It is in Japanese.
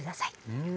うん。